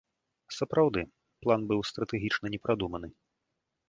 Сапраўды, план быў стратэгічна не прадуманы.